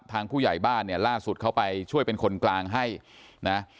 ผู้ใหญ่บ้านเนี่ยล่าสุดเขาไปช่วยเป็นคนกลางให้นะ